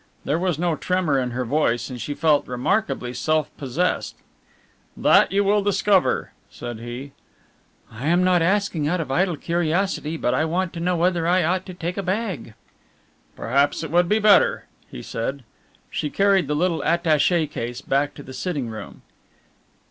There was no tremor in her voice and she felt remarkably self possessed. "That you will discover," said he. "I am not asking out of idle curiosity, but I want to know whether I ought to take a bag." "Perhaps it would be better," he said. She carried the little attaché case back to the sitting room.